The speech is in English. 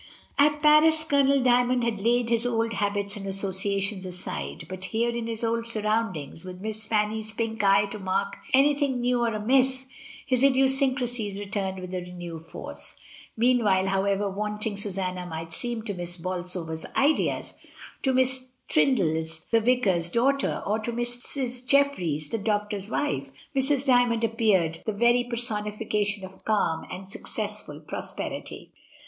At Paris Colonel Dymond had laid his old ha bits and associations aside, but here, in his old sur roundings, with Miss Fanny's pink eye to mark any thing new or amiss, his idiosyncrasies returned with a renewed force. Meanwhile, however wanting Su sanna might seem to Miss Bolsover's ideas, to Miss Trindle's the vicar's daughter, or to Mrs. Jeffries the doctor's wife, Mrs. Dymond appeared the very per sonification of calm and successful prosperity.